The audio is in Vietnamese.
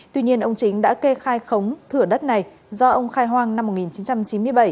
tuy nhiên ông chính đã kê khai khống thửa đất này do ông khai hoang năm một nghìn chín trăm chín mươi bảy